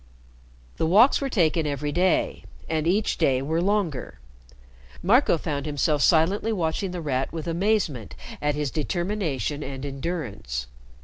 '" The walks were taken every day, and each day were longer. Marco found himself silently watching The Rat with amazement at his determination and endurance.